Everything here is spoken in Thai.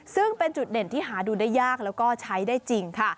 ซึ่งเป็นจุดเด่นที่หาดูได้ยากแล้วก็ใช้ได้จริงค่ะ